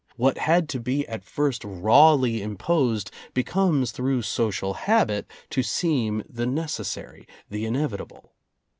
What had to be at first rawly imposed becomes through social habit to seem the necessary, the inevitable.